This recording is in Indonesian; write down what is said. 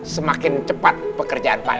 semakin cepat pekerjaan pak